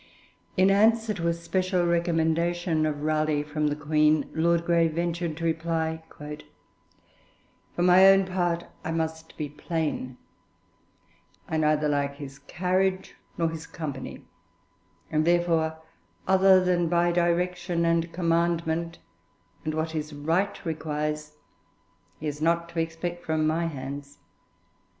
In answer to a special recommendation of Raleigh from the Queen, Lord Grey ventured to reply: 'For my own part I must be plain I neither like his carriage nor his company, and therefore other than by direction and commandment, and what his right requires, he is not to expect from my hands.'